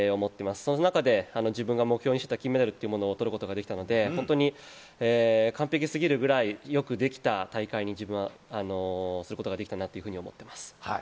その中で自分が目標にしていた金メダルを獲得することができて完璧すぎるくらいよくできた大会にすることができたと思っています。